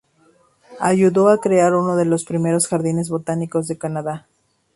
Ayudó a crear uno de los primeros jardines botánicos de Canadá.